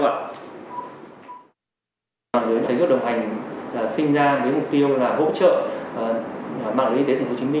mạng lưới thầy thuốc đồng hành sinh ra với mục tiêu là hỗ trợ mạng lưới y tế tp hcm